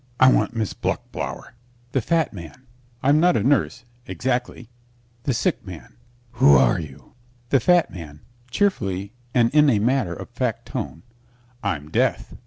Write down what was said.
I want Miss Bluchblauer. THE FAT MAN I'm not a nurse, exactly. THE SICK MAN Who are you? THE FAT MAN (cheerfully and in a matter of fact tone) I'm Death.